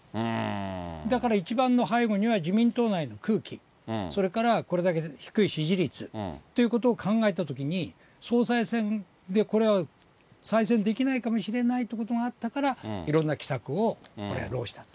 だから一番の背後には自民党内の空気、それからこれだけ低い支持率ということを考えたときに、総裁選でこれは再選できないかもしれないってことがあったから、いろんな奇策をこれはろうしたと。